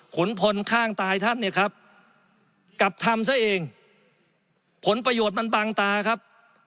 ขุนพลข้างตายท่านเนี่ยครับกลับทำซะเองผลประโยชน์มันบางตาครับ